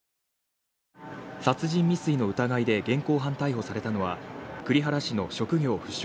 殺人未遂の疑いで現行犯逮捕されたのは、栗原市の職業不詳